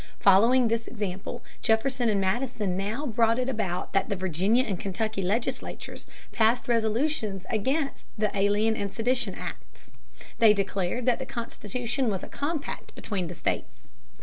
Following this example Jefferson and Madison now brought it about that the Virginia and Kentucky legislatures passed resolutions against the Alien and Sedition Acts. They declared that the Constitution was a compact between the states.